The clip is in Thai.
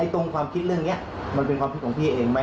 ความคิดเรื่องนี้มันเป็นความคิดของพี่เองไหม